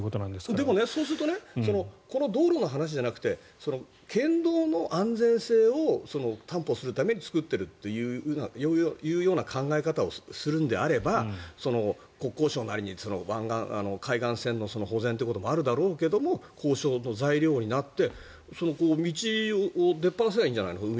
でもそうするとこの道路の話じゃなくて県道の安全性を担保するために作っているというような考え方をするのであれば国交省なりに海岸線の保全ということもあるだろうけど交渉の材料になってそこの道を出っ張らせればいいんじゃないの？